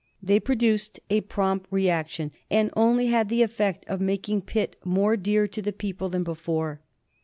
They produced a prompt reaction, and only had the effect of making Pitt more dear to the people than before.